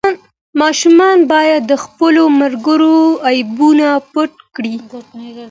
ماشومان باید د خپلو ملګرو عیبونه پټ کړي.